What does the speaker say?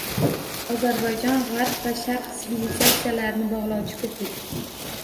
Ozarbayjon G‘arb va Sharq sivilizatsiyalarini bog‘lovchi ko‘priq